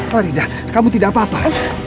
farida kamu tidak apa apa